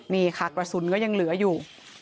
นี่ค่ะกระสุนก็ยังเหลืออยู่